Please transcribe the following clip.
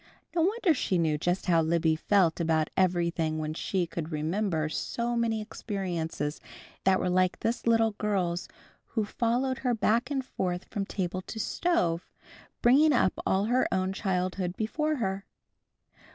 No wonder she knew just how Libby felt about everything when she could remember so many experiences that were like this little girl's who followed her back and forth from table to stove, bringing up all her own childhood before her.